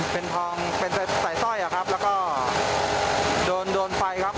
เป็นทองเป็นใส่สร้อยอะครับแล้วก็โดนโดนไฟครับ